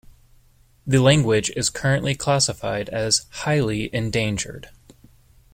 The language is currently classified as "highly endangered".